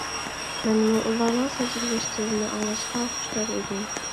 مەنمۇ ئۇلارنىڭ سەرگۈزەشتلىرىنى ئاڭلاشقا خۇشتار ئىدىم.